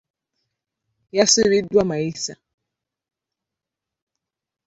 Yasibiddwa mayisa.